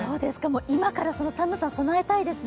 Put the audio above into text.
今からその寒さ、備えたいですね